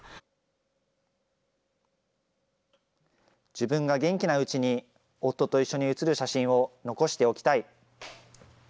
自分が元気なうちに、夫と一緒に写る写真を残しておきたい。